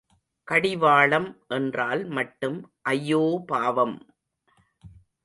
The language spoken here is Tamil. கடிவாளம் என்றால் மட்டும் ஐயோ பாவம்!